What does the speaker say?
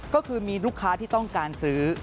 ก็คือมีลูกค้าที่ต้องการซื้อ